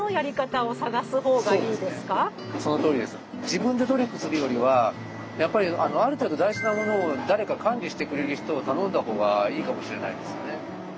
自分で努力するよりはある程度大事なものを誰か管理してくれる人を頼んだほうがいいかもしれないですね。